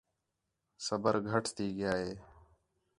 صبر گَھٹ تھی ڳِیا ہِے